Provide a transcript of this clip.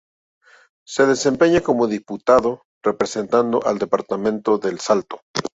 Se desempeña como Diputado, representando al departamento de Salto.